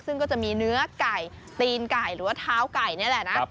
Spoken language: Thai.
ซึ่งก็จะมีเนื้อไก่ตีนไก่หรือว่าเท้าไก่นี่แหละนะ